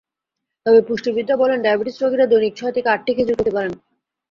তবে পুষ্টিবিদরা বলেন, ডায়াবেটিস রোগীরা দৈনিক ছয় থেকে আটটি খেজুর খেতে পারেন।